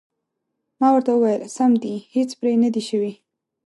ما ورته وویل: سم دي، هېڅ پرې نه دي شوي.